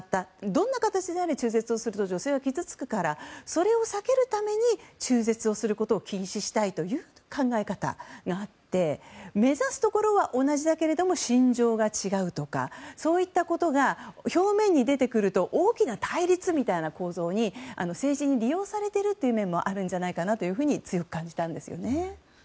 どんな形で中絶をすると女性が傷つくからそれを避けるために中絶をすることを禁止したいという考え方があって目指すところは同じだけれども信条は違うとかそういったことが表面に出てくると大きな対立みたいな構造に政治に利用されている面もあるんじゃないかなというふうに強く感じたんですね。